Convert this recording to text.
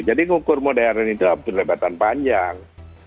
jadi mengukur modern itu adalah penerbatan panjang